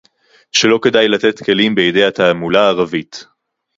שלא כדאי לתת כלים בידי התעמולה הערבית